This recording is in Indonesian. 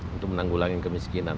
untuk menanggulangi kemiskinan